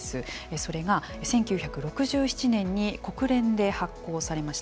それが１９６７年に国連で発効されました